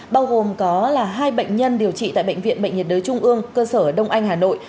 bao gồm có là hai bệnh nhân điều trị tại bệnh viện bệnh nhiệt đới trung ương cơ sở đông anh hà nội